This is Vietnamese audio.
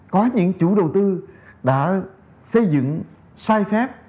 có những chủ đầu tư đã xây dựng sai phép